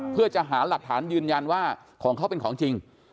เพื่อจะหาหลักฐานยืนยันว่าของเขาเป็นของจริง